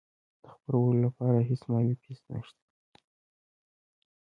د خپرولو لپاره هیڅ مالي فیس نشته.